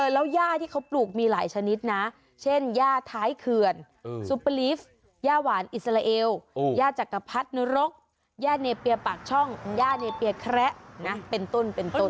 แล้วย่าที่เขาปลูกมีหลายชนิดนะเช่นย่าท้ายเขื่อนซุปเปอร์ลีฟย่าหวานอิสราเอลย่าจักรพรรดนรกย่าเนเปียปากช่องย่าเนเปียแคระนะเป็นต้นเป็นต้น